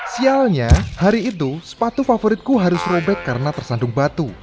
sialnya hari itu sepatu favoritku harus robek karena tersandung batu